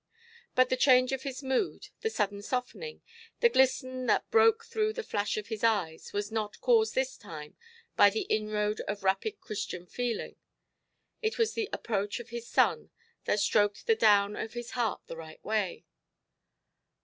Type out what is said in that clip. But the change of his mood, the sudden softening, the glisten that broke through the flash of his eyes, was not caused this time by the inroad of rapid Christian feeling. It was the approach of his son that stroked the down of his heart the right way.